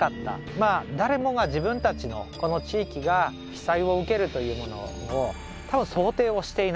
まあ誰もが自分たちのこの地域が被災を受けるというものを多分想定をしていなかった。